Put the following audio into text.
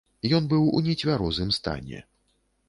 Ён быў у нецвярозым стане.